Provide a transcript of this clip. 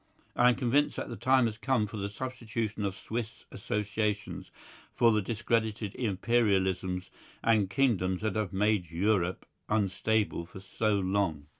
I am convinced that the time has come for the substitution of Swiss associations for the discredited Imperialisms and kingdoms that have made Europe unstable for so long.